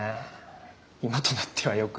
今となってはよく。